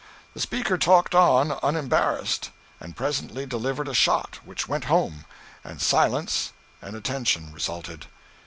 The speaker talked on unembarrassed, and presently delivered a shot which went home, and silence and attention resulted.